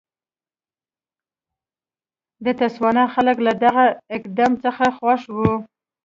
د تسوانا خلک له دغه اقدام څخه خوښ وو.